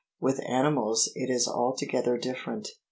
With animals it is altogether different.